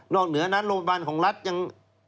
เหนือนั้นโรงพยาบาลของรัฐยัง